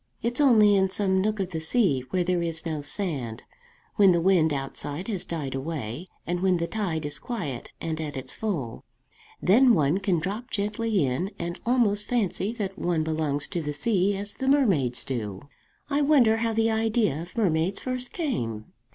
It's only in some nook of the sea, where there is no sand, when the wind outside has died away, and when the tide is quiet and at its full. Then one can drop gently in and almost fancy that one belongs to the sea as the mermaids do. I wonder how the idea of mermaids first came?"